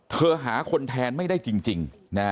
หาคนแทนไม่ได้จริง